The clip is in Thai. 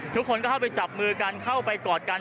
ทุกคนก็เข้าไปจับมือกันเข้าไปกอดกัน